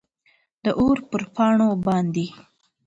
داور پر پاڼو باندي ،